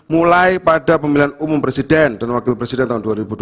mulai pada pemilihan umum presiden dan wakil presiden tahun dua ribu dua puluh